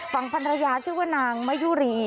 ภรรยาชื่อว่านางมะยุรี